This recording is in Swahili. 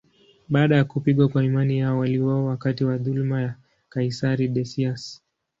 Baada ya kupigwa kwa imani yao, waliuawa wakati wa dhuluma ya kaisari Decius.